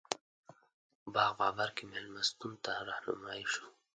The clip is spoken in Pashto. باغ بابر کې مېلمستون ته رهنمایي شوو.